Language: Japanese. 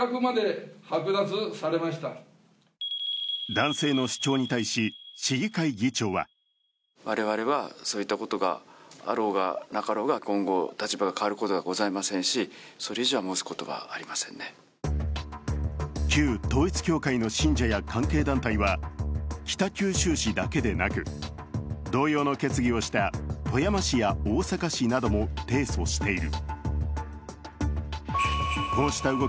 男性の主張に対し、市議会議長は旧統一教会の信者や関係団体は北九州市だけでなく同様の決議をした富山市や大阪市なども提訴している。